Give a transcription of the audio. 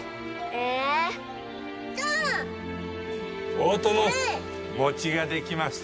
大殿餅ができました。